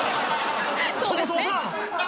そもそもさ！